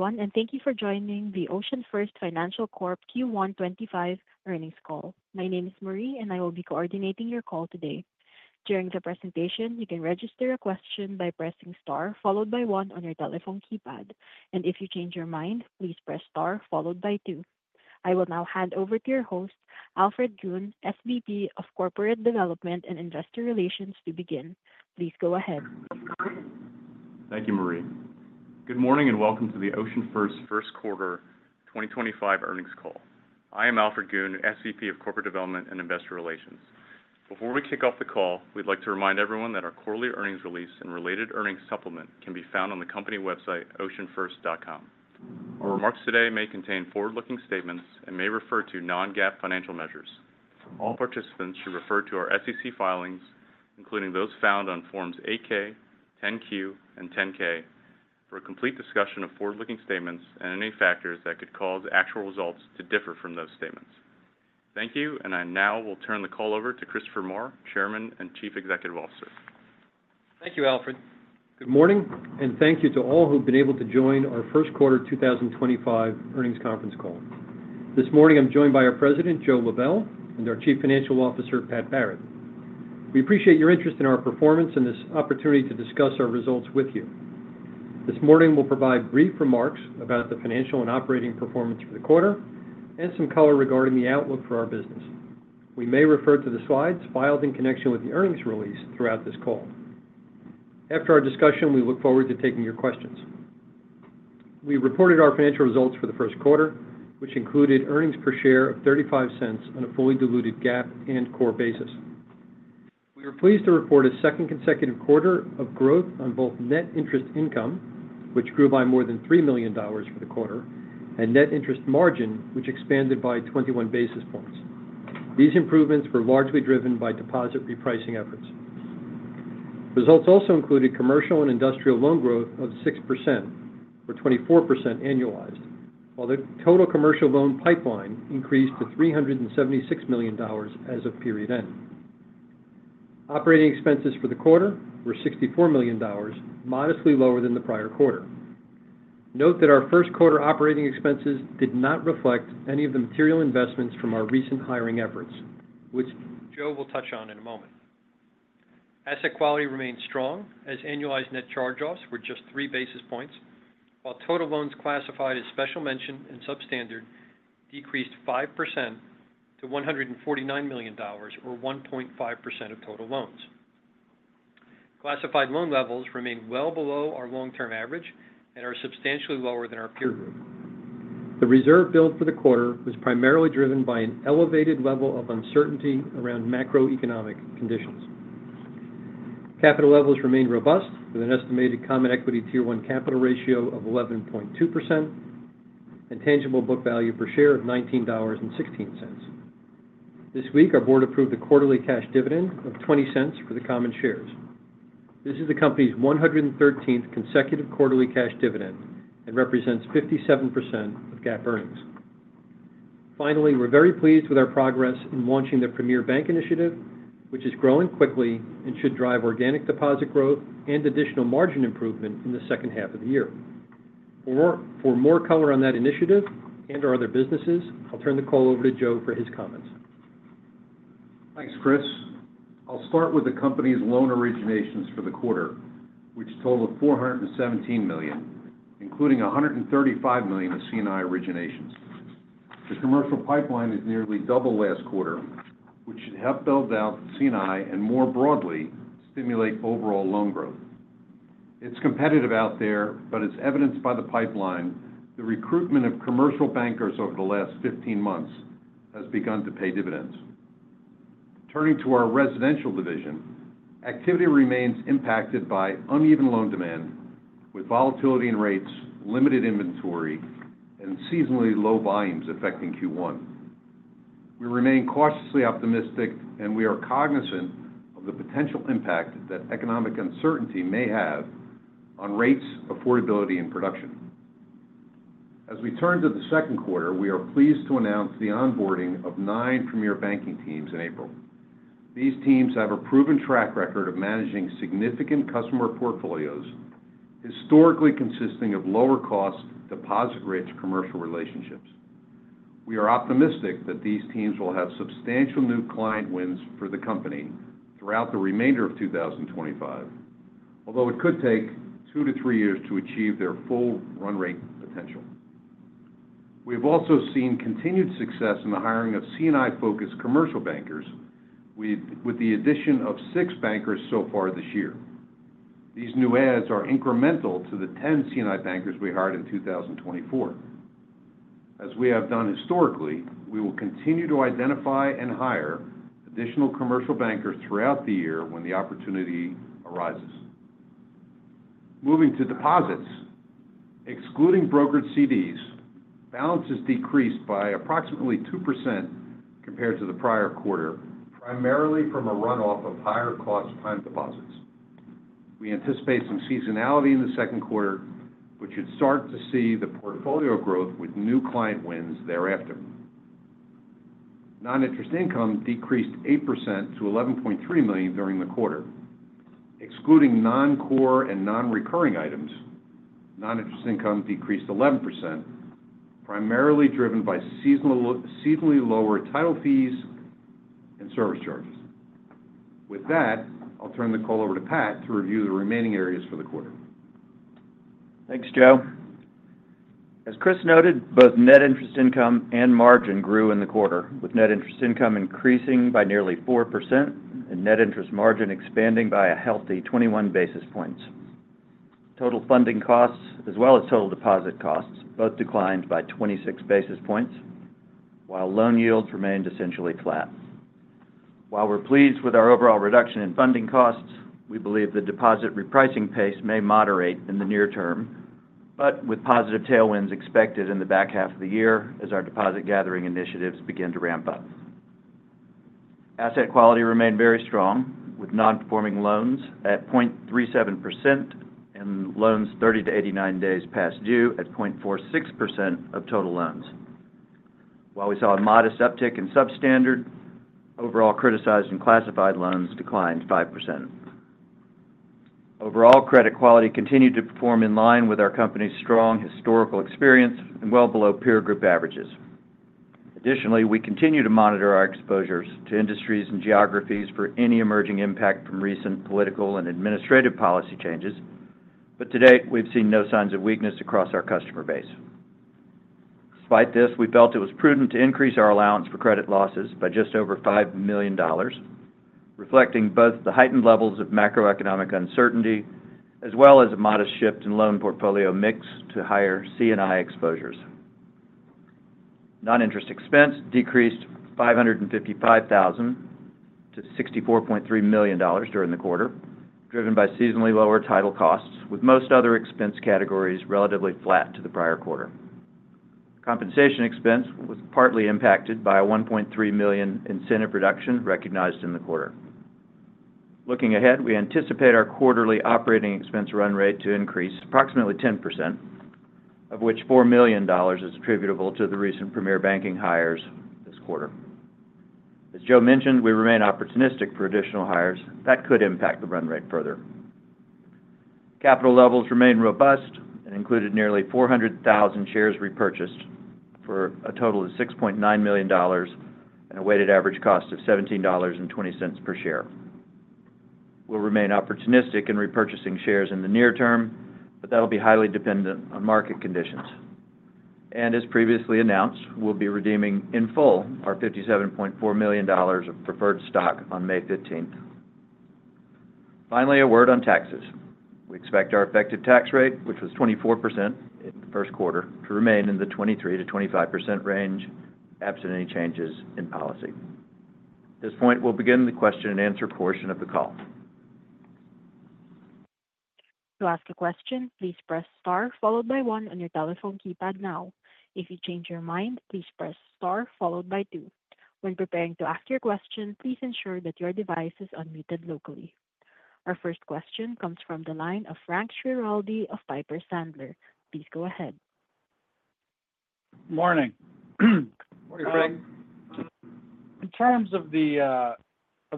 Everyone, and thank you for joining the OceanFirst Financial Q1 2025 Earnings Call. My name is Marie, and I will be coordinating your call today. During the presentation, you can register a question by pressing star followed by one on your telephone keypad. If you change your mind, please press star followed by two. I will now hand over to your host, Alfred Goon, SVP of Corporate Development and Investor Relations, to begin. Please go ahead. Thank you, Marie. Good morning and welcome to the OceanFirst Financial First Quarter 2025 Earnings Call. I am Alfred Goon, SVP of Corporate Development and Investor Relations. Before we kick off the call, we'd like to remind everyone that our quarterly earnings release and related earnings supplement can be found on the company website, oceanfirst.com. Our remarks today may contain forward-looking statements and may refer to non-GAAP financial measures. All participants should refer to our SEC filings, including those found on Forms 8-K, 10-Q, and 10-K, for a complete discussion of forward-looking statements and any factors that could cause actual results to differ from those statements. Thank you, and I now will turn the call over to Christopher Maher, Chairman and Chief Executive Officer. Thank you, Alfred. Good morning, and thank you to all who've been able to join our First Quarter 2025 earnings conference call. This morning, I'm joined by our President, Joe Lebel, and our Chief Financial Officer, Pat Barrett. We appreciate your interest in our performance and this opportunity to discuss our results with you. This morning, we'll provide brief remarks about the financial and operating performance for the quarter and some color regarding the outlook for our business. We may refer to the slides filed in connection with the earnings release throughout this call. After our discussion, we look forward to taking your questions. We reported our financial results for the first quarter, which included earnings per share of $0.35 on a fully diluted GAAP and core basis. We were pleased to report a second consecutive quarter of growth on both net interest income, which grew by more than $3 million for the quarter, and net interest margin, which expanded by 21 basis points. These improvements were largely driven by deposit repricing efforts. Results also included commercial and industrial loan growth of 6%, or 24% annualized, while the total commercial loan pipeline increased to $376 million as of period end. Operating expenses for the quarter were $64 million, modestly lower than the prior quarter. Note that our first quarter operating expenses did not reflect any of the material investments from our recent hiring efforts, which Joe will touch on in a moment. Asset quality remained strong as annualized net charge-offs were just three basis points, while total loans classified as Special Mention and Substandard decreased 5% to $149 million, or 1.5% of total loans. Classified loan levels remained well below our long-term average and are substantially lower than our peer group. The reserve build for the quarter was primarily driven by an elevated level of uncertainty around macroeconomic conditions. Capital levels remained robust with an estimated Common Equity Tier 1 capital ratio of 11.2% and tangible book value per share of $19.16. This week, our board approved a quarterly cash dividend of $0.20 for the common shares. This is the company's 113th consecutive quarterly cash dividend and represents 57% of GAAP earnings. Finally, we're very pleased with our progress in launching the Premier Bank initiative, which is growing quickly and should drive organic deposit growth and additional margin improvement in the second half of the year. For more color on that initiative and our other businesses, I'll turn the call over to Joe for his comments. Thanks, Chris. I'll start with the company's loan originations for the quarter, which totaled $417 million, including $135 million of C&I originations. The commercial pipeline is nearly double last quarter, which should help build out C&I and, more broadly, stimulate overall loan growth. It's competitive out there, but as evidenced by the pipeline, the recruitment of commercial bankers over the last 15 months has begun to pay dividends. Turning to our residential division, activity remains impacted by uneven loan demand, with volatility in rates, limited inventory, and seasonally low volumes affecting Q1. We remain cautiously optimistic, and we are cognizant of the potential impact that economic uncertainty may have on rates, affordability, and production. As we turn to the second quarter, we are pleased to announce the onboarding of nine Premier Banking teams in April. These teams have a proven track record of managing significant customer portfolios, historically consisting of lower-cost, deposit-rich commercial relationships. We are optimistic that these teams will have substantial new client wins for the company throughout the remainder of 2025, although it could take two to three years to achieve their full run rate potential. We have also seen continued success in the hiring of C&I-focused commercial bankers with the addition of six bankers so far this year. These new adds are incremental to the 10 C&I bankers we hired in 2024. As we have done historically, we will continue to identify and hire additional commercial bankers throughout the year when the opportunity arises. Moving to deposits, excluding brokered CDs, balances decreased by approximately 2% compared to the prior quarter, primarily from a runoff of higher-cost time deposits. We anticipate some seasonality in the second quarter, which should start to see the portfolio growth with new client wins thereafter. Non-interest income decreased 8% to $11.3 million during the quarter. Excluding non-core and non-recurring items, non-interest income decreased 11%, primarily driven by seasonally lower title fees and service charges. With that, I'll turn the call over to Pat to review the remaining areas for the quarter. Thanks, Joe. As Chris noted, both net interest income and margin grew in the quarter, with net interest income increasing by nearly 4% and net interest margin expanding by a healthy 21 basis points. Total funding costs, as well as total deposit costs, both declined by 26 basis points, while loan yields remained essentially flat. While we're pleased with our overall reduction in funding costs, we believe the deposit repricing pace may moderate in the near term, but with positive tailwinds expected in the back half of the year as our deposit gathering initiatives begin to ramp up. Asset quality remained very strong, with non-performing loans at 0.37% and loans 30 to 89 days past due at 0.46% of total loans. While we saw a modest uptick in Substandard, overall criticized and classified loans declined 5%. Overall, credit quality continued to perform in line with our company's strong historical experience and well below peer group averages. Additionally, we continue to monitor our exposures to industries and geographies for any emerging impact from recent political and administrative policy changes, but to date, we've seen no signs of weakness across our customer base. Despite this, we felt it was prudent to increase our allowance for credit losses by just over $5 million, reflecting both the heightened levels of macroeconomic uncertainty as well as a modest shift in loan portfolio mix to higher C&I exposures. Non-interest expense decreased $555,000 to $million during the quarter, driven by seasonally lower title costs, with most other expense categories relatively flat to the prior quarter. Compensation expense was partly impacted by a $1.3 million incentive reduction recognized in the quarter. Looking ahead, we anticipate our quarterly operating expense run rate to increase approximately 10%, of which $4 million is attributable to the recent Premier Banking hires this quarter. As Joe mentioned, we remain opportunistic for additional hires that could impact the run rate further. Capital levels remained robust and included nearly 400,000 shares repurchased for a total of $6.9 million and a weighted average cost of $17.20 per share. We'll remain opportunistic in repurchasing shares in the near term, but that'll be highly dependent on market conditions. As previously announced, we'll be redeeming in full our $57.4 million of preferred stock on May 15th. Finally, a word on taxes. We expect our effective tax rate, which was 24% in the first quarter, to remain in the 23-25% range absent any changes in policy. At this point, we'll begin the question-and-answer portion of the call. To ask a question, please press star followed by one on your telephone keypad now. If you change your mind, please press star followed by two. When preparing to ask your question, please ensure that your device is unmuted locally. Our first question comes from the line of Frank Schiraldi of Piper Sandler. Please go ahead. Morning. Morning, Frank. Morning. In terms of the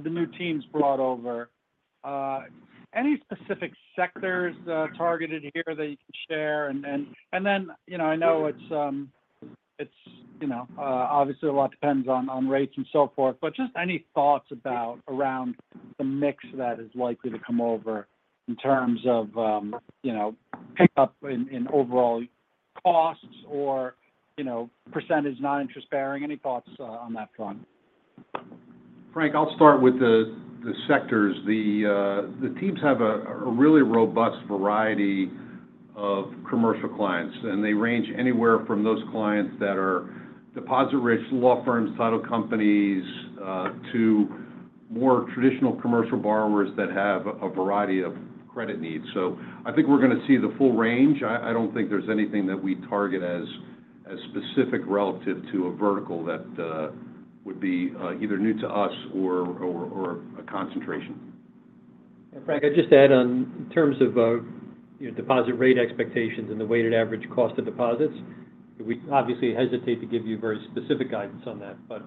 new teams brought over, any specific sectors targeted here that you can share? I know it obviously a lot depends on rates and so forth, but just any thoughts around the mix that is likely to come over in terms of pickup in overall costs or percentage non-interest bearing, any thoughts on that front? Frank, I'll start with the sectors. The teams have a really robust variety of commercial clients, and they range anywhere from those clients that are deposit-rich, law firms, title companies, to more traditional commercial borrowers that have a variety of credit needs. I think we're going to see the full range. I don't think there's anything that we target as specific relative to a vertical that would be either new to us or a concentration. Frank, I'd just add on in terms of deposit rate expectations and the weighted average cost of deposits, we obviously hesitate to give you very specific guidance on that, but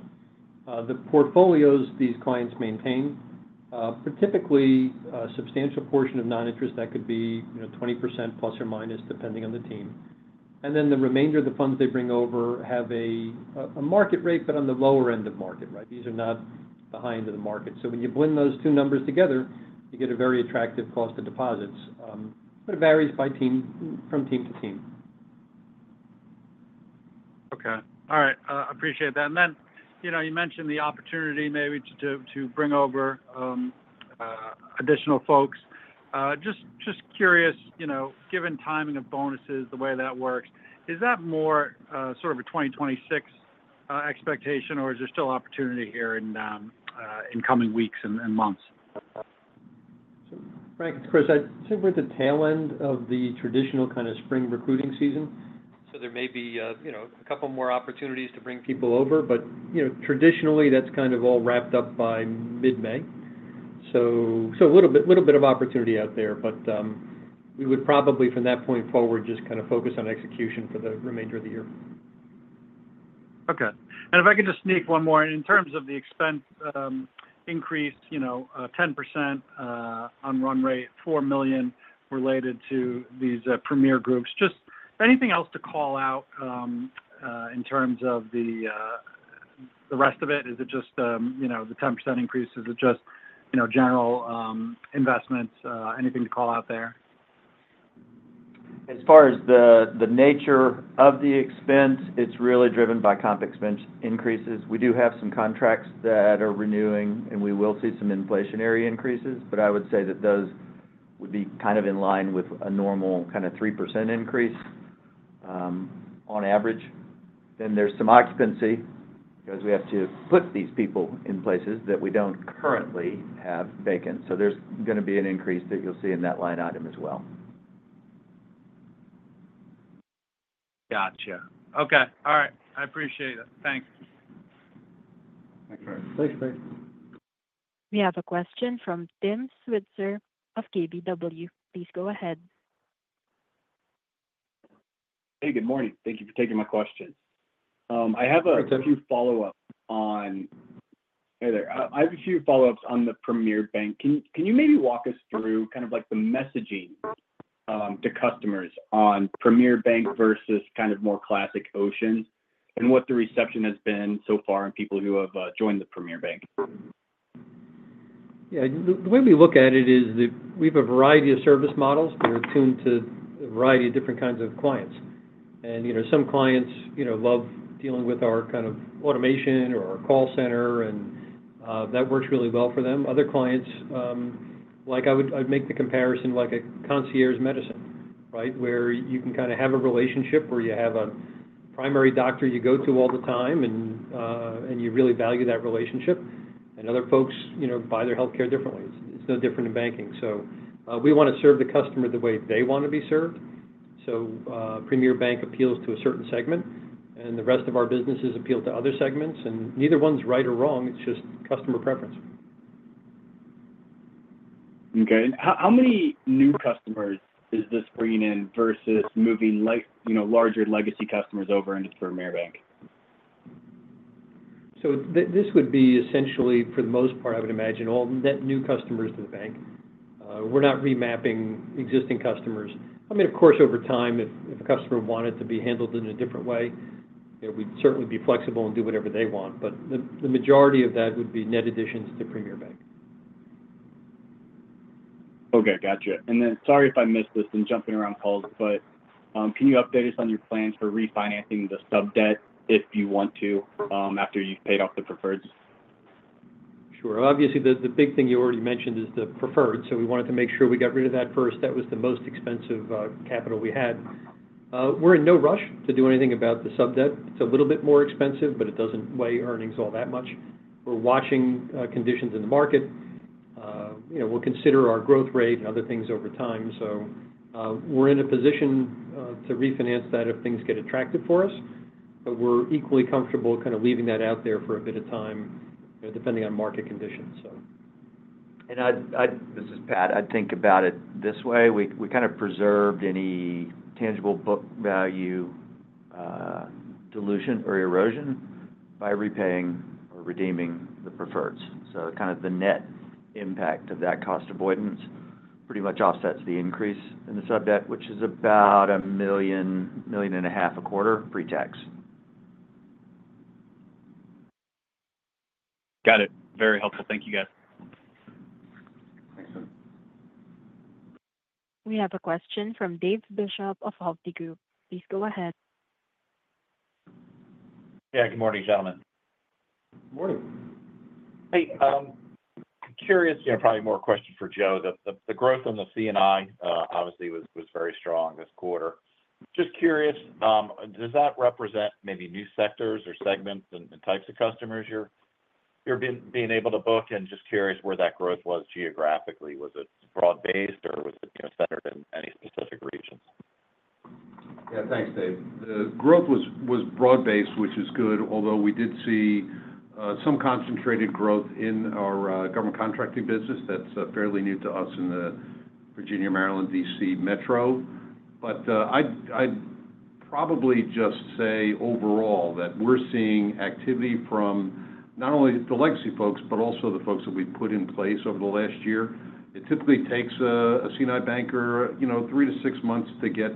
the portfolios these clients maintain are typically a substantial portion of non-interest. That could be 20% plus or minus depending on the team. The remainder of the funds they bring over have a market rate, but on the lower end of market, right? These are not the high end of the market. When you blend those two numbers together, you get a very attractive cost of deposits, but it varies from team to team. Okay. All right. I appreciate that. You mentioned the opportunity maybe to bring over additional folks. Just curious, given timing of bonuses, the way that works, is that more sort of a 2026 expectation, or is there still opportunity here in coming weeks and months? Frank, it's Chris. I think we're at the tail end of the traditional kind of spring recruiting season, so there may be a couple more opportunities to bring people over, but traditionally, that's kind of all wrapped up by mid-May. A little bit of opportunity out there, but we would probably from that point forward just kind of focus on execution for the remainder of the year. Okay. If I could just sneak one more in terms of the expense increase, 10% on run rate, $4 million related to these Premier groups. Just anything else to call out in terms of the rest of it? Is it just the 10% increase? Is it just general investments? Anything to call out there? As far as the nature of the expense, it's really driven by comp expense increases. We do have some contracts that are renewing, and we will see some inflationary increases, but I would say that those would be kind of in line with a normal kind of 3% increase on average. There is some occupancy because we have to put these people in places that we do not currently have vacant. There is going to be an increase that you'll see in that line item as well. Gotcha. Okay. All right. I appreciate it. Thanks. Thanks, Frank. We have a question from Tim Switzer of KBW. Please go ahead. Hey, good morning. Thank you for taking my question. I have a few follow-ups on—hey there—I have a few follow-ups on the Premier Bank. Can you maybe walk us through kind of the messaging to customers on Premier Bank versus kind of more classic Oceans and what the reception has been so far and people who have joined the Premier Bank? Yeah. The way we look at it is that we have a variety of service models that are tuned to a variety of different kinds of clients. Some clients love dealing with our kind of automation or our call center, and that works really well for them. Other clients, I'd make the comparison like a concierge medicine, right, where you can kind of have a relationship where you have a primary doctor you go to all the time, and you really value that relationship. Other folks buy their healthcare differently. It's no different in banking. We want to serve the customer the way they want to be served. Premier Bank appeals to a certain segment, and the rest of our businesses appeal to other segments. Neither one's right or wrong. It's just customer preference. Okay. How many new customers is this bringing in versus moving larger legacy customers over into the Premier Bank? This would be essentially, for the most part, I would imagine, all net new customers to the bank. We're not remapping existing customers. I mean, of course, over time, if a customer wanted to be handled in a different way, we'd certainly be flexible and do whatever they want, but the majority of that would be net additions to Premier Bank. Okay. Gotcha. Sorry if I missed this in jumping around calls, but can you update us on your plans for refinancing the sub-debt if you want to after you've paid off the preferreds? Sure. Obviously, the big thing you already mentioned is the preferred, so we wanted to make sure we got rid of that first. That was the most expensive capital we had. We're in no rush to do anything about the sub-debt. It's a little bit more expensive, but it doesn't weigh earnings all that much. We're watching conditions in the market. We'll consider our growth rate and other things over time. We are in a position to refinance that if things get attractive for us, but we're equally comfortable kind of leaving that out there for a bit of time depending on market conditions. I'd think about it this way. We kind of preserved any tangible book value dilution or erosion by repaying or redeeming the preferreds. Kind of the net impact of that cost avoidance pretty much offsets the increase in the sub-debt, which is about $1 million-$1.5 million a quarter pre-tax. Got it. Very helpful. Thank you, guys. We have a question from Dave Bishop of Hovde Group. Please go ahead. Yeah. Good morning, gentlemen. Good morning. Hey. I'm curious, probably more a question for Joe, that the growth on the C&I obviously was very strong this quarter. Just curious, does that represent maybe new sectors or segments and types of customers you're being able to book? Just curious where that growth was geographically. Was it broad-based, or was it centered in any specific regions? Yeah. Thanks, Dave. The growth was broad-based, which is good, although we did see some concentrated growth in our government contracting business that's fairly new to us in the Virginia, Maryland, DC metro. I'd probably just say overall that we're seeing activity from not only the legacy folks, but also the folks that we've put in place over the last year. It typically takes a C&I banker three to six months to get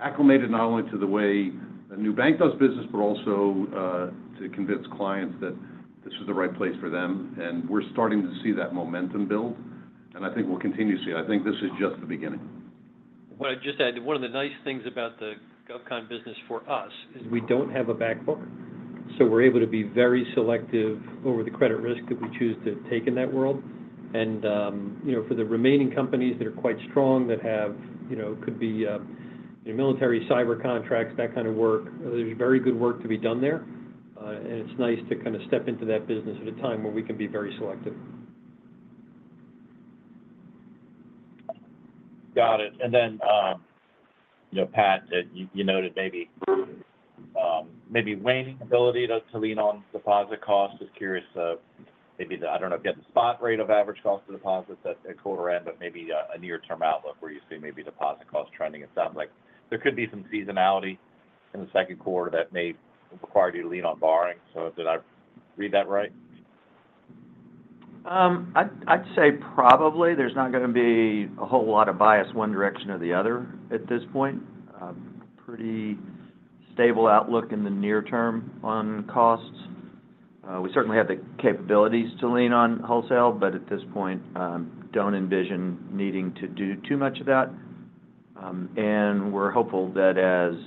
acclimated not only to the way a new bank does business, but also to convince clients that this is the right place for them. We're starting to see that momentum build, and I think we'll continue to see it. I think this is just the beginning. I'd just add one of the nice things about the GovCon business for us is we don't have a backbook, so we're able to be very selective over the credit risk that we choose to take in that world. For the remaining companies that are quite strong that could be military cyber contracts, that kind of work, there's very good work to be done there. It's nice to kind of step into that business at a time where we can be very selective. Got it. Pat, you noted maybe waning ability to lean on deposit costs. Just curious to maybe the—I don't know—get the spot rate of average cost of deposits at quarter end, but maybe a near-term outlook where you see maybe deposit cost trending. It sounds like there could be some seasonality in the second quarter that may require you to lean on borrowing. Did I read that right? I'd say probably. There's not going to be a whole lot of bias one direction or the other at this point. Pretty stable outlook in the near term on costs. We certainly have the capabilities to lean on wholesale, but at this point, don't envision needing to do too much of that. We are hopeful that as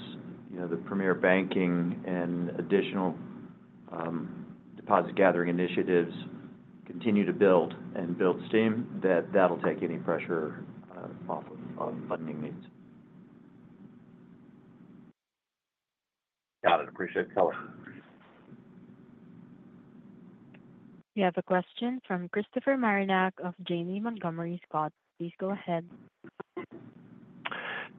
the Premier Banking and additional deposit-gathering initiatives continue to build and build steam, that that'll take any pressure off of funding needs. Got it. Appreciate the color. We have a question from Christopher Marinac of Janney Montgomery Scott. Please go ahead.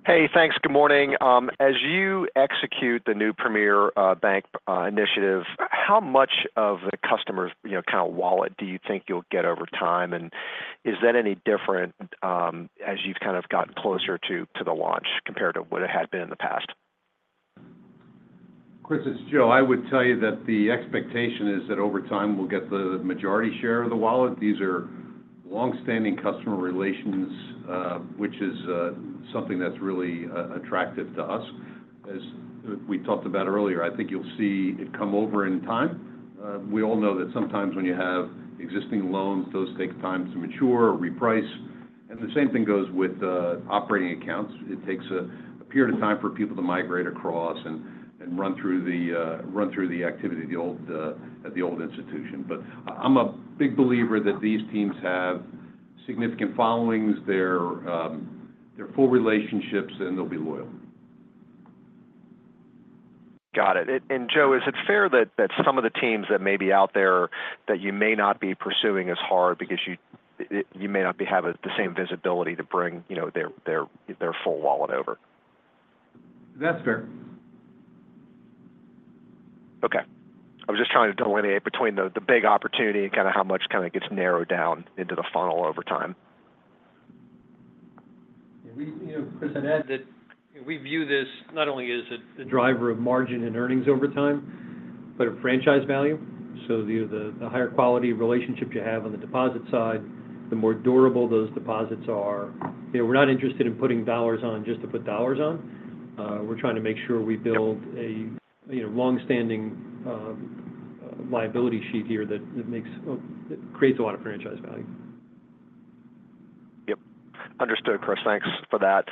Hey, thanks. Good morning. As you execute the new Premier Bank initiative, how much of the customer's kind of wallet do you think you'll get over time? Is that any different as you've kind of gotten closer to the launch compared to what it had been in the past? Chris, it's Joe. I would tell you that the expectation is that over time, we'll get the majority share of the wallet. These are long-standing customer relations, which is something that's really attractive to us. As we talked about earlier, I think you'll see it come over in time. We all know that sometimes when you have existing loans, those take time to mature or reprice. The same thing goes with operating accounts. It takes a period of time for people to migrate across and run through the activity at the old institution. I'm a big believer that these teams have significant followings, their full relationships, and they'll be loyal. Got it. Joe, is it fair that some of the teams that may be out there that you may not be pursuing as hard because you may not have the same visibility to bring their full wallet over? That's fair. Okay. I was just trying to delineate between the big opportunity and kind of how much kind of gets narrowed down into the funnel over time. Chris, I'd add that we view this not only as a driver of margin and earnings over time, but of franchise value. The higher quality relationship you have on the deposit side, the more durable those deposits are. We're not interested in putting dollars on just to put dollars on. We're trying to make sure we build a long-standing liability sheet here that creates a lot of franchise value. Yep. Understood, Chris. Thanks for that.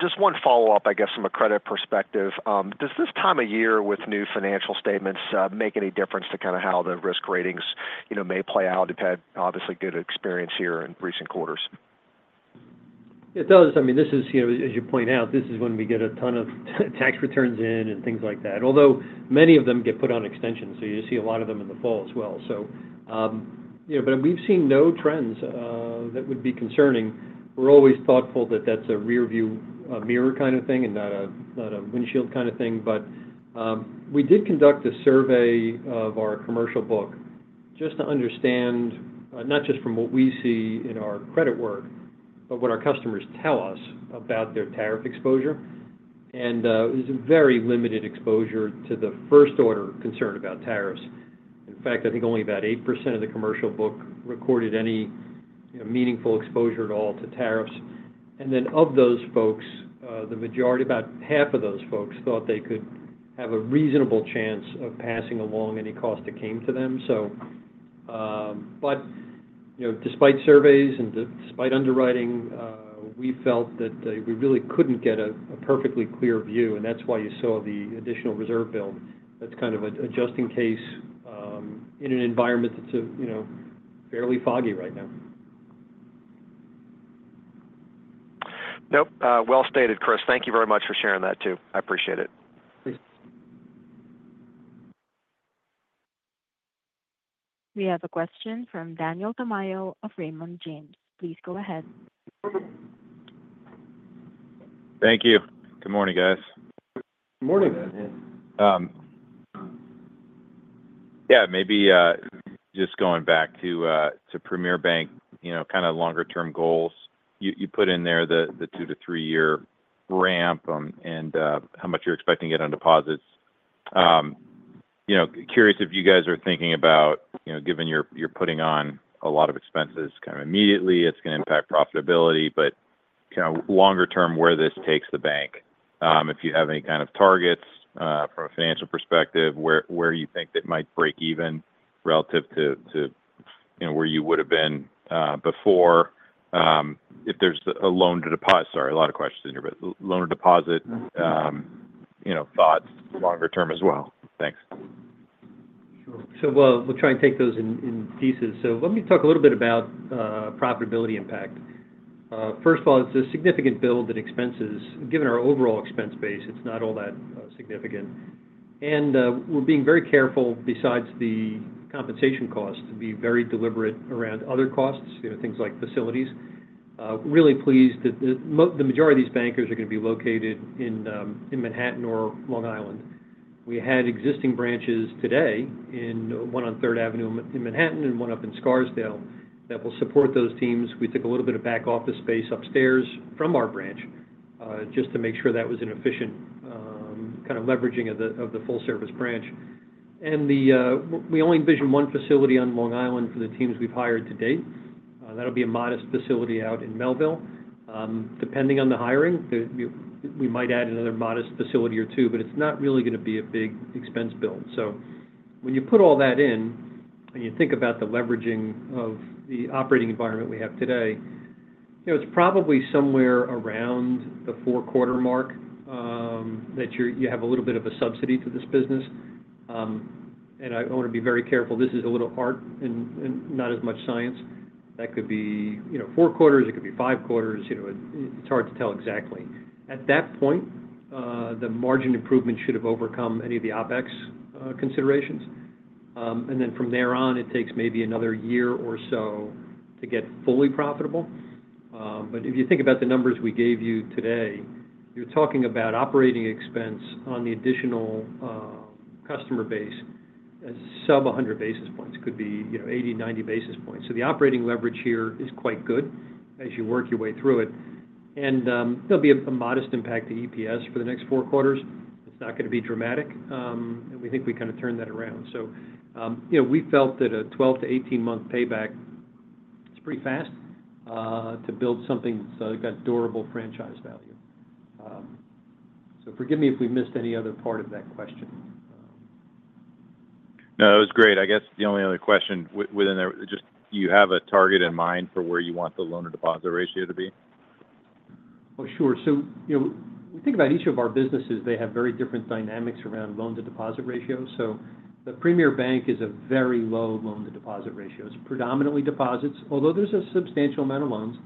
Just one follow-up, I guess, from a credit perspective. Does this time of year with new financial statements make any difference to kind of how the risk ratings may play out? You've had obviously good experience here in recent quarters. It does. I mean, as you point out, this is when we get a ton of tax returns in and things like that, although many of them get put on extension. You see a lot of them in the fall as well. We've seen no trends that would be concerning. We're always thoughtful that that's a rearview mirror kind of thing and not a windshield kind of thing. We did conduct a survey of our commercial book just to understand not just from what we see in our credit work, but what our customers tell us about their tariff exposure. It was a very limited exposure to the first-order concern about tariffs. In fact, I think only about 8% of the commercial book recorded any meaningful exposure at all to tariffs. Of those folks, about half of those folks thought they could have a reasonable chance of passing along any cost that came to them. Despite surveys and despite underwriting, we felt that we really could not get a perfectly clear view, and that is why you saw the additional reserve bill. That is kind of an adjusting case in an environment that is fairly foggy right now. Nope. Stated, Chris. Thank you very much for sharing that too. I appreciate it. Thanks. We have a question from Daniel Tamayo of Raymond James. Please go ahead. Thank you. Good morning, guys. Good morning, man. Yeah. Yeah. Maybe just going back to Premier Bank, kind of longer-term goals. You put in there the two to three-year ramp and how much you're expecting to get on deposits. Curious if you guys are thinking about, given you're putting on a lot of expenses kind of immediately, it's going to impact profitability, but kind of longer-term where this takes the bank. If you have any kind of targets from a financial perspective, where you think it might break even relative to where you would have been before if there's a loan to deposit—sorry, a lot of questions in here, but loan to deposit thoughts longer-term as well. Thanks. Sure. We'll try and take those in pieces. Let me talk a little bit about profitability impact. First of all, it's a significant build in expenses. Given our overall expense base, it's not all that significant. We're being very careful, besides the compensation costs, to be very deliberate around other costs, things like facilities. Really pleased that the majority of these bankers are going to be located in Manhattan or Long Island. We had existing branches today in one on 3rd Avenue in Manhattan and one up in Scarsdale that will support those teams. We took a little bit of back office space upstairs from our branch just to make sure that was an efficient kind of leveraging of the full-service branch. We only envision one facility on Long Island for the teams we've hired to date. That'll be a modest facility out in Melville. Depending on the hiring, we might add another modest facility or two, but it's not really going to be a big expense bill. When you put all that in and you think about the leveraging of the operating environment we have today, it's probably somewhere around the four-quarter mark that you have a little bit of a subsidy to this business. I want to be very careful. This is a little art and not as much science. That could be four quarters. It could be five quarters. It's hard to tell exactly. At that point, the margin improvement should have overcome any of the OpEx considerations. From there on, it takes maybe another year or so to get fully profitable. If you think about the numbers we gave you today, you're talking about operating expense on the additional customer base as sub-100 basis points. It could be 80-90 basis points. The operating leverage here is quite good as you work your way through it. There will be a modest impact to EPS for the next four quarters. It is not going to be dramatic. We think we kind of turned that around. We felt that a 12-18 month payback is pretty fast to build something that has durable franchise value. Forgive me if we missed any other part of that question. No, that was great. I guess the only other question within there, just do you have a target in mind for where you want the loan to deposit ratio to be? Sure. We think about each of our businesses. They have very different dynamics around loan to deposit ratio. The Premier Bank is a very low loan to deposit ratio. It's predominantly deposits, although there's a substantial amount of loans.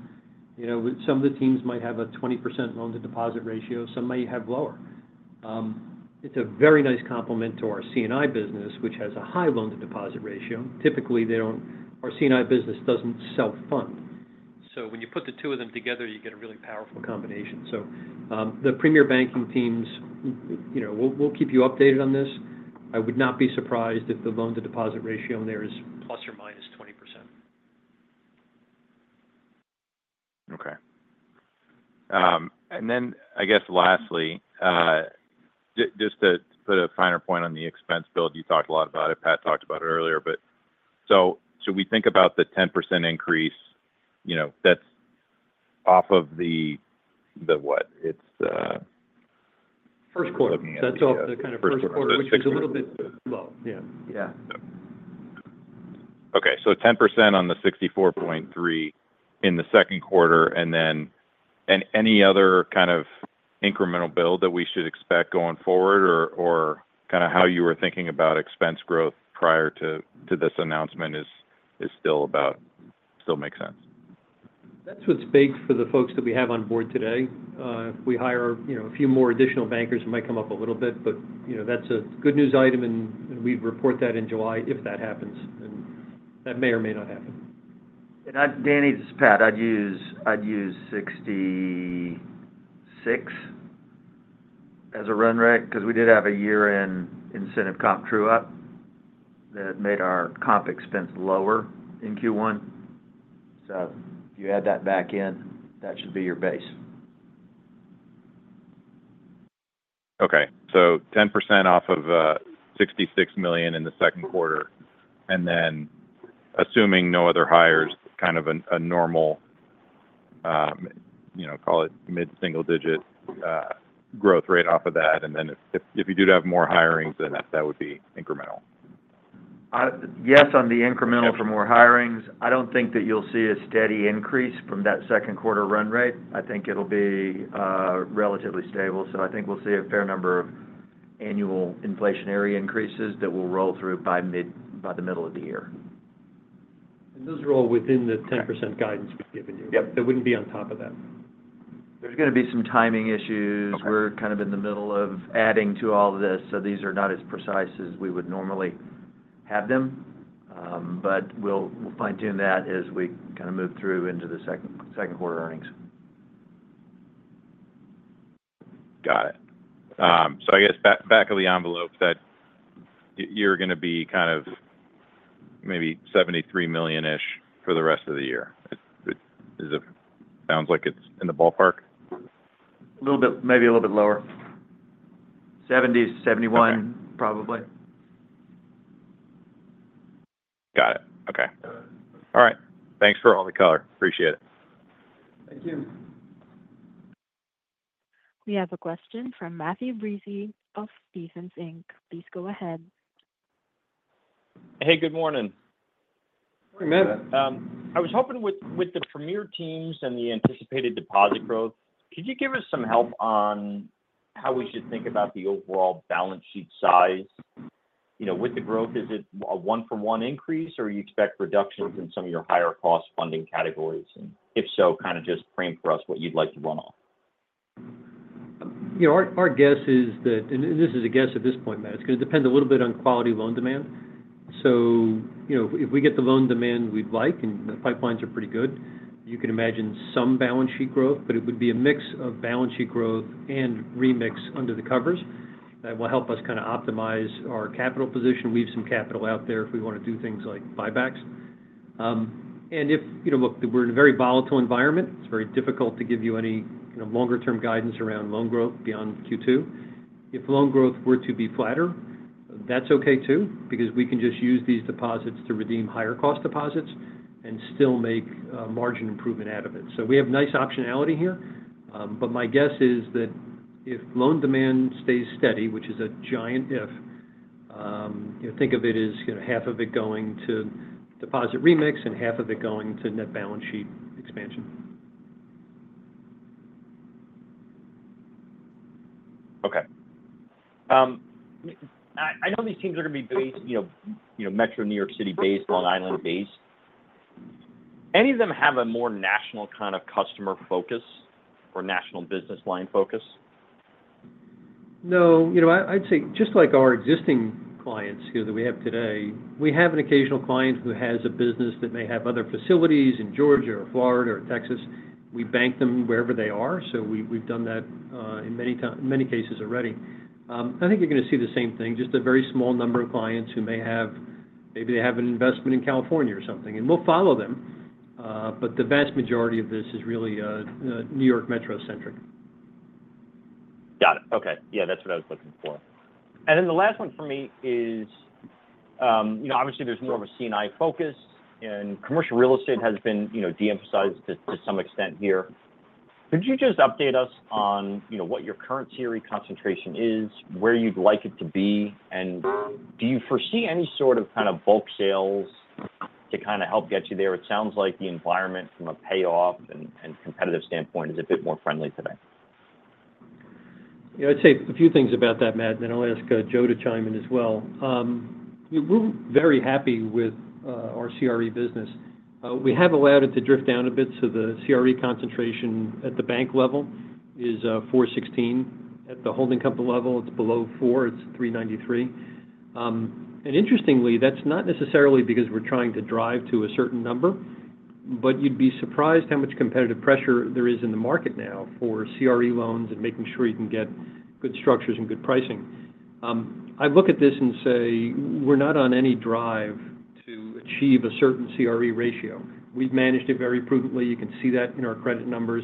Some of the teams might have a 20% loan to deposit ratio. Some may have lower. It's a very nice complement to our C&I business, which has a high loan to deposit ratio. Typically, our C&I business doesn't self-fund. When you put the two of them together, you get a really powerful combination. The Premier Banking teams, we'll keep you updated on this. I would not be surprised if the loan to deposit ratio in there is plus or minus 20%. Okay. I guess lastly, just to put a finer point on the expense build, you talked a lot about it. Pat talked about it earlier. Should we think about the 10% increase that's off of the what? It's. First quarter. That's off the kind of first quarter, which is a little bit low. Yeah. Yeah. Okay. So 10% on the $64.3 million in the second quarter. And then any other kind of incremental build that we should expect going forward or kind of how you were thinking about expense growth prior to this announcement still makes sense? That's what's big for the folks that we have on board today. If we hire a few more additional bankers, it might come up a little bit, but that's a good news item. We'd report that in July if that happens. That may or may not happen. Danny just said, "Pat, I'd use 66 as a run rate because we did have a year-end incentive comp true-up that made our comp expense lower in Q1." If you add that back in, that should be your base. Okay. 10% off of $66 million in the second quarter. Assuming no other hires, kind of a normal, call it mid-single-digit growth rate off of that. If you do have more hirings, that would be incremental. Yes, on the incremental for more hirings, I do not think that you will see a steady increase from that second quarter run rate. I think it will be relatively stable. I think we will see a fair number of annual inflationary increases that will roll through by the middle of the year. Those are all within the 10% guidance we've given you. They wouldn't be on top of that. There's going to be some timing issues. We're kind of in the middle of adding to all of this. These are not as precise as we would normally have them. We'll fine-tune that as we kind of move through into the second quarter earnings. Got it. I guess back of the envelope that you're going to be kind of maybe $73 million-ish for the rest of the year. Sounds like it's in the ballpark? Maybe a little bit lower. 70, 71, probably. Got it. Okay. All right. Thanks for all the color. Appreciate it. Thank you. We have a question from Matthew Breese of Stephens Inc. Please go ahead. Hey, good morning. Hey, Matt. I was hoping with the Premier teams and the anticipated deposit growth, could you give us some help on how we should think about the overall balance sheet size? With the growth, is it a one-for-one increase, or are you expect reductions in some of your higher-cost funding categories? If so, kind of just frame for us what you'd like to run off. Our guess is that—and this is a guess at this point, Matt—it is going to depend a little bit on quality loan demand. If we get the loan demand we would like, and the pipelines are pretty good, you can imagine some balance sheet growth, but it would be a mix of balance sheet growth and remix under the covers that will help us kind of optimize our capital position, leave some capital out there if we want to do things like buybacks. Look, we are in a very volatile environment. It is very difficult to give you any longer-term guidance around loan growth beyond Q2. If loan growth were to be flatter, that is okay too because we can just use these deposits to redeem higher-cost deposits and still make a margin improvement out of it. We have nice optionality here. My guess is that if loan demand stays steady, which is a giant if, think of it as half of it going to deposit remix and half of it going to net balance sheet expansion. Okay. I know these teams are going to be based—Metro New York City-based, Long Island-based. Any of them have a more national kind of customer focus or national business line focus? No. I'd say just like our existing clients that we have today, we have an occasional client who has a business that may have other facilities in Georgia or Florida or Texas. We bank them wherever they are. We have done that in many cases already. I think you are going to see the same thing, just a very small number of clients who may have—maybe they have an investment in California or something. We will follow them. The vast majority of this is really New York Metro-centric. Got it. Okay. Yeah, that's what I was looking for. The last one for me is, obviously, there's more of a C&I focus, and commercial real estate has been de-emphasized to some extent here. Could you just update us on what your current CRE concentration is, where you'd like it to be, and do you foresee any sort of kind of bulk sales to kind of help get you there? It sounds like the environment from a payoff and competitive standpoint is a bit more friendly today. I'd say a few things about that, Matt, and then I'll ask Joe to chime in as well. We're very happy with our CRE business. We have allowed it to drift down a bit. The CRE concentration at the bank level is 416. At the holding company level, it's below four. It's 393. Interestingly, that's not necessarily because we're trying to drive to a certain number, but you'd be surprised how much competitive pressure there is in the market now for CRE loans and making sure you can get good structures and good pricing. I look at this and say we're not on any drive to achieve a certain CRE ratio. We've managed it very prudently. You can see that in our credit numbers.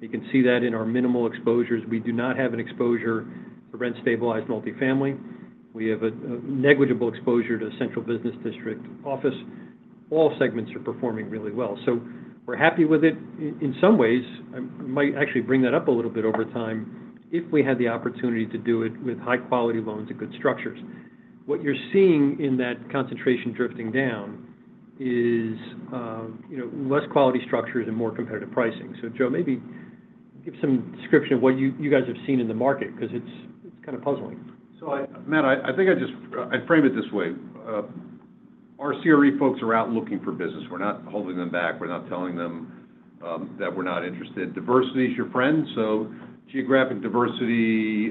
You can see that in our minimal exposures. We do not have an exposure to rent-stabilized multifamily. We have a negligible exposure to a central business district office. All segments are performing really well. We're happy with it in some ways. I might actually bring that up a little bit over time if we had the opportunity to do it with high-quality loans and good structures. What you're seeing in that concentration drifting down is less quality structures and more competitive pricing. Joe, maybe give some description of what you guys have seen in the market because it's kind of puzzling. Matt, I think I'd frame it this way. Our CRE folks are out looking for business. We're not holding them back. We're not telling them that we're not interested. Diversity is your friend. So geographic diversity,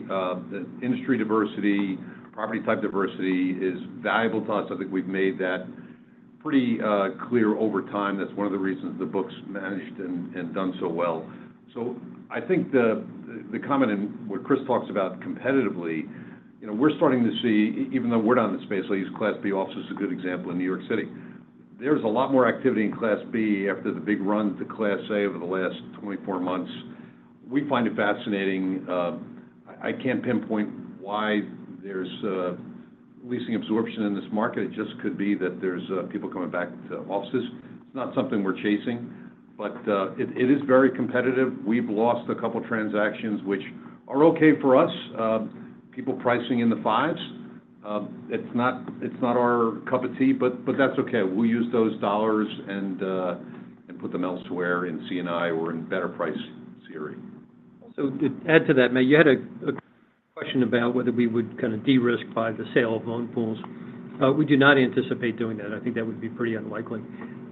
industry diversity, property-type diversity is valuable to us. I think we've made that pretty clear over time. That's one of the reasons the book's managed and done so well. I think the comment in what Chris talks about competitively, we're starting to see, even though we're not in the space, I'll use Class B office as a good example in New York City. There's a lot more activity in Class B after the big run to Class A over the last 24 months. We find it fascinating. I can't pinpoint why there's leasing absorption in this market. It just could be that there's people coming back to offices. It's not something we're chasing, but it is very competitive. We've lost a couple of transactions, which are okay for us. People pricing in the fives. It's not our cup of tea, but that's okay. We'll use those dollars and put them elsewhere in C&I or in better-priced CRE. To add to that, Matt, you had a question about whether we would kind of de-risk by the sale of loan pools. We do not anticipate doing that. I think that would be pretty unlikely.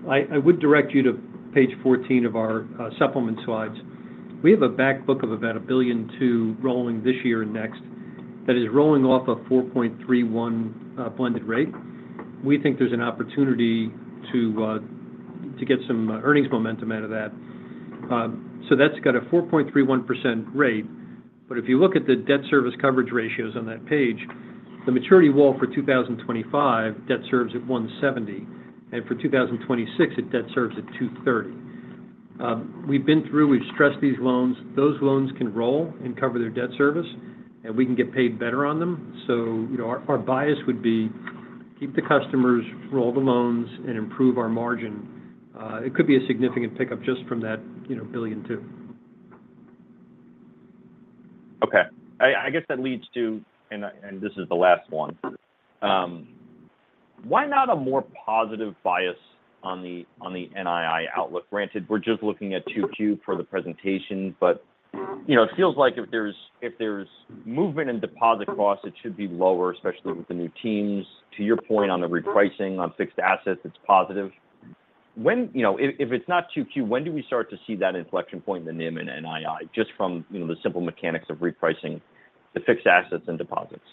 I would direct you to Page 14 of our supplement slides. We have a backbook of about $1 billion to rolling this year and next that is rolling off a 4.31% blended rate. We think there's an opportunity to get some earnings momentum out of that. That's got a 4.31% rate. If you look at the debt service coverage ratios on that page, the maturity wall for 2025 debt serves at 170. For 2026, it debt serves at 230. We've been through, we've stressed these loans. Those loans can roll and cover their debt service, and we can get paid better on them. Our bias would be keep the customers, roll the loans, and improve our margin. It could be a significant pickup just from that billion too. Okay. I guess that leads to, and this is the last one. Why not a more positive bias on the NII outlook? Granted, we're just looking at 2Q for the presentation, but it feels like if there's movement in deposit costs, it should be lower, especially with the new teams. To your point on the repricing on fixed assets, it's positive. If it's not 2Q, when do we start to see that inflection point in the NII, just from the simple mechanics of repricing the fixed assets and deposits?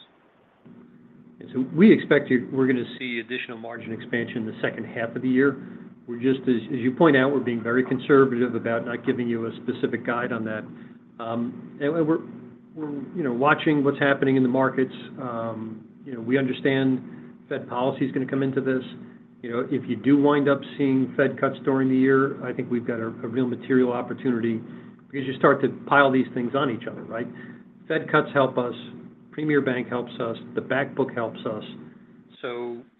We expect we're going to see additional margin expansion in the second half of the year. As you point out, we're being very conservative about not giving you a specific guide on that. We're watching what's happening in the markets. We understand Fed policy is going to come into this. If you do wind up seeing Fed cuts during the year, I think we've got a real material opportunity because you start to pile these things on each other, right? Fed cuts help us. Premier Bank helps us. The backbook helps us.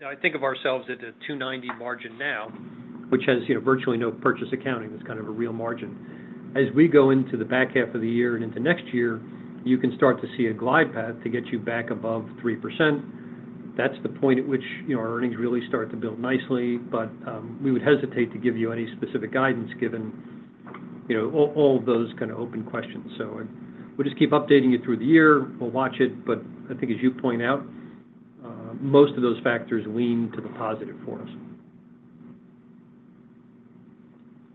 I think of ourselves at a 290 margin now, which has virtually no purchase accounting. That's kind of a real margin. As we go into the back half of the year and into next year, you can start to see a glide path to get you back above 3%. is the point at which our earnings really start to build nicely. We would hesitate to give you any specific guidance given all of those kind of open questions. We will just keep updating you through the year. We will watch it. I think, as you point out, most of those factors lean to the positive for us.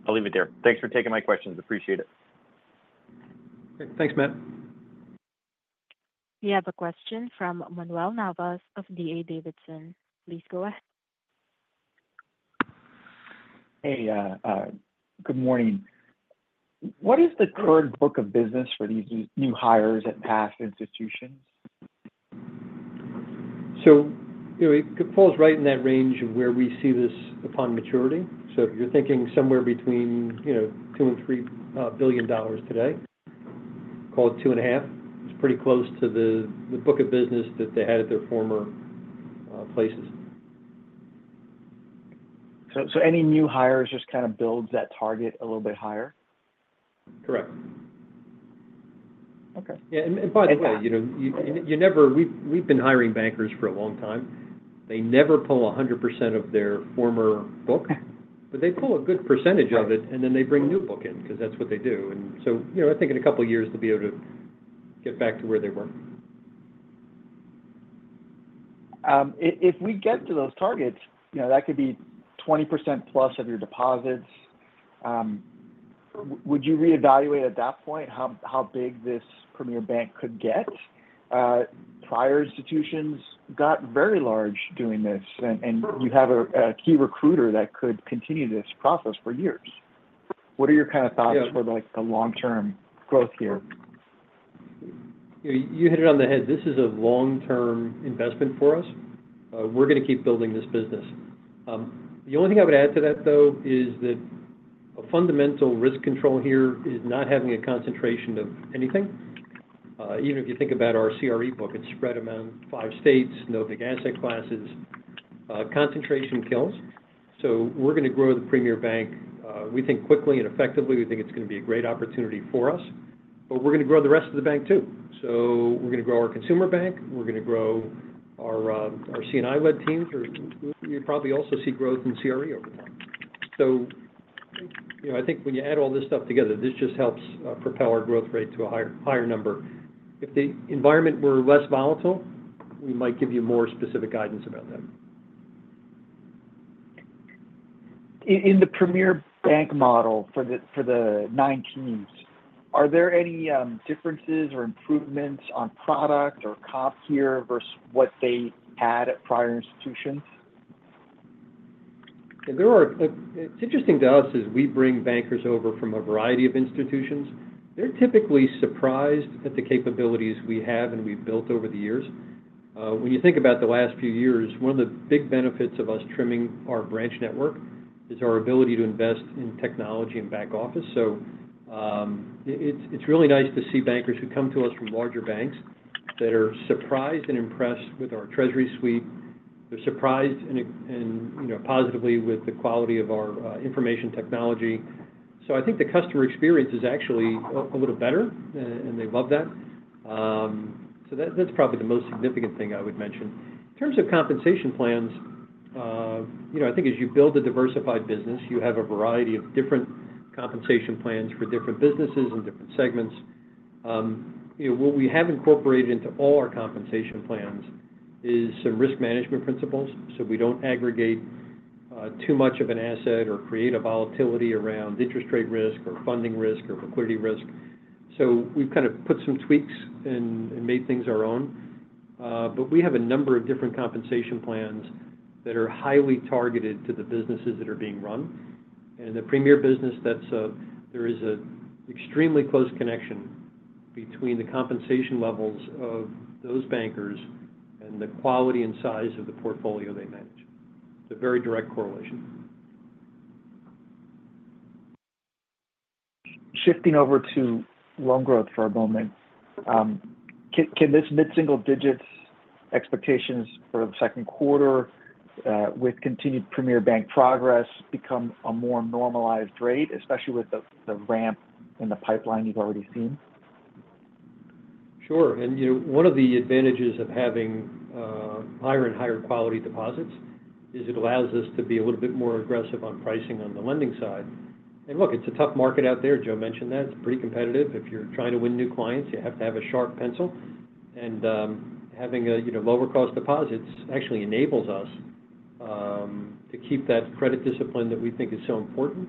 I'll leave it there. Thanks for taking my questions. Appreciate it. Thanks, Matt. We have a question from Manuel Navas of DA Davidson. Please go ahead. Hey, good morning. What is the current book of business for these new hires at past institutions? It falls right in that range of where we see this upon maturity. You're thinking somewhere between $2 billion-$3 billion today, call it $2.5 billion. It's pretty close to the book of business that they had at their former places. Any new hires just kind of builds that target a little bit higher? Correct. Yeah. By the way, we've been hiring bankers for a long time. They never pull 100% of their former book, but they pull a good percentage of it, and then they bring new book in because that's what they do. I think in a couple of years they'll be able to get back to where they were. If we get to those targets, that could be 20% plus of your deposits. Would you reevaluate at that point how big this Premier Bank could get? Prior institutions got very large doing this, and you have a key recruiter that could continue this process for years. What are your kind of thoughts for the long-term growth here? You hit it on the head. This is a long-term investment for us. We're going to keep building this business. The only thing I would add to that, though, is that a fundamental risk control here is not having a concentration of anything. Even if you think about our CRE book, it's spread among five states, no big asset classes. Concentration kills. We're going to grow the Premier Bank. We think quickly and effectively. We think it's going to be a great opportunity for us. We're going to grow the rest of the bank too. We're going to grow our consumer bank. We're going to grow our C&I-led teams. You'll probably also see growth in CRE over time. I think when you add all this stuff together, this just helps propel our growth rate to a higher number. If the environment were less volatile, we might give you more specific guidance about that. In the Premier Bank model for the nine teams, are there any differences or improvements on product or comp here versus what they had at prior institutions? It's interesting to us as we bring bankers over from a variety of institutions. They're typically surprised at the capabilities we have and we've built over the years. When you think about the last few years, one of the big benefits of us trimming our branch network is our ability to invest in technology and back office. It's really nice to see bankers who come to us from larger banks that are surprised and impressed with our treasury suite. They're surprised and positively with the quality of our information technology. I think the customer experience is actually a little better, and they love that. That's probably the most significant thing I would mention. In terms of compensation plans, I think as you build a diversified business, you have a variety of different compensation plans for different businesses and different segments. What we have incorporated into all our compensation plans is some risk management principles so we do not aggregate too much of an asset or create a volatility around interest rate risk or funding risk or liquidity risk. We have kind of put some tweaks and made things our own. We have a number of different compensation plans that are highly targeted to the businesses that are being run. In the Premier business, there is an extremely close connection between the compensation levels of those bankers and the quality and size of the portfolio they manage. It is a very direct correlation. Shifting over to loan growth for a moment. Can this mid-single-digit expectations for the second quarter with continued Premier Bank progress become a more normalized rate, especially with the ramp in the pipeline you've already seen? Sure. One of the advantages of having higher and higher quality deposits is it allows us to be a little bit more aggressive on pricing on the lending side. Look, it's a tough market out there. Joe mentioned that. It's pretty competitive. If you're trying to win new clients, you have to have a sharp pencil. Having lower-cost deposits actually enables us to keep that credit discipline that we think is so important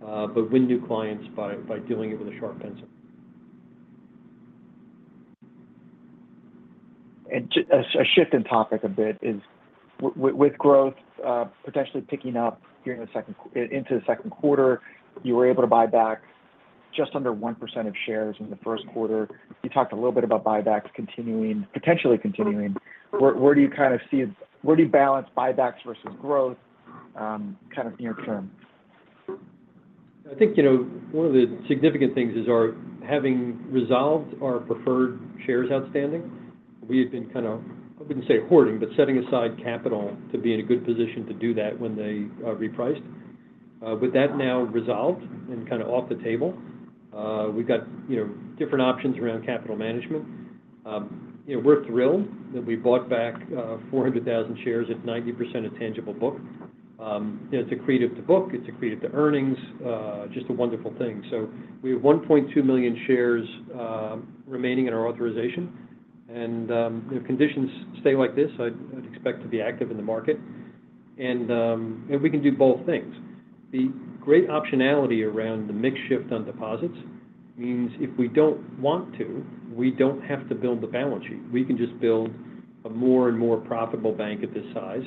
but win new clients by doing it with a sharp pencil. A shift in topic a bit is with growth potentially picking up into the second quarter, you were able to buy back just under 1% of shares in the first quarter. You talked a little bit about buybacks potentially continuing. Where do you kind of see where do you balance buybacks versus growth kind of near-term? I think one of the significant things is having resolved our preferred shares outstanding. We had been kind of, I would not say hoarding, but setting aside capital to be in a good position to do that when they repriced. With that now resolved and kind of off the table, we have got different options around capital management. We are thrilled that we bought back 400,000 shares at 90% of tangible book. It is accretive to book. It is accretive to earnings. Just a wonderful thing. We have 1.2 million shares remaining in our authorization. If conditions stay like this, I would expect to be active in the market. We can do both things. The great optionality around the mixed shift on deposits means if we do not want to, we do not have to build the balance sheet. We can just build a more and more profitable bank at this size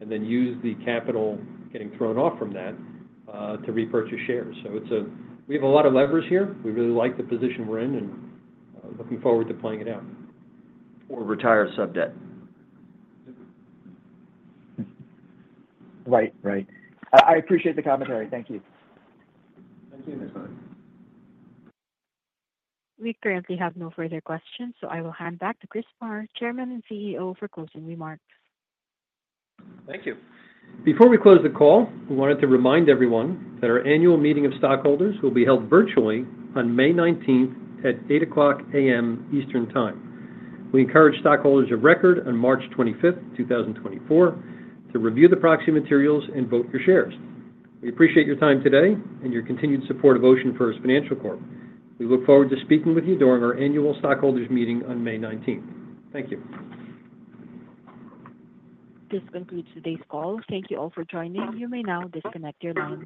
and then use the capital getting thrown off from that to repurchase shares. We have a lot of levers here. We really like the position we're in and looking forward to playing it out. Or retire sub-debt. Right. Right. I appreciate the commentary. Thank you. Thank you. We currently have no further questions, so I will hand back to Christopher Maher, Chairman and CEO, for closing remarks. Thank you. Before we close the call, we wanted to remind everyone that our annual meeting of stockholders will be held virtually on May 19th at 8:00 A.M. Eastern Time. We encourage stockholders of record on March 25th, 2024, to review the proxy materials and vote for shares. We appreciate your time today and your continued support of OceanFirst Financial Corp. We look forward to speaking with you during our annual stockholders meeting on May 19th. Thank you. This concludes today's call. Thank you all for joining. You may now disconnect your lines.